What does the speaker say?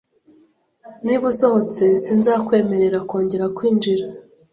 Niba usohotse, sinzakwemerera kongera kwinjira